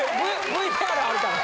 ＶＴＲあるから。